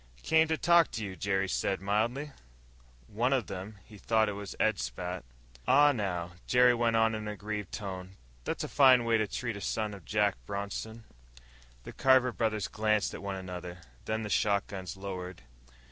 "Came to talk to you," Jerry said mildly. One of them he thought it was Ed spat. "Ah, now," Jerry went on in an aggrieved tone, "that's a fine way to treat a son of Jack Bronson." The Carver brothers glanced at one another, then the shotguns lowered.